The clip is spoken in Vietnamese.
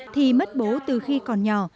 thì mất bố từ khi còn nhỏ